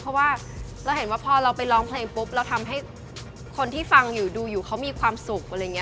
เพราะว่าเราเห็นว่าพอเราไปร้องเพลงปุ๊บเราทำให้คนที่ฟังอยู่ดูอยู่เขามีความสุขอะไรอย่างนี้